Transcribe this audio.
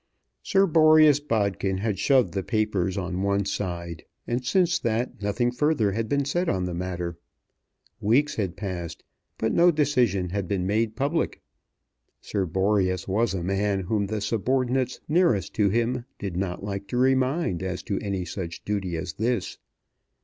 Sir Boreas Bodkin had shoved the papers on one side, and, since that, nothing further had been said on the matter. Weeks had passed, but no decision had been made public. Sir Boreas was a man whom the subordinates nearest to him did not like to remind as to any such duty as this.